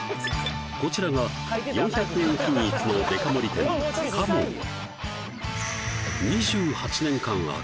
こちらが４００円均一のデカ盛り店花門マンスリー